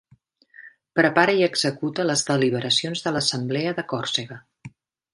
Prepara i executa les deliberacions de l'Assemblea de Còrsega.